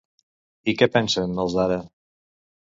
I què pensen els d'ara?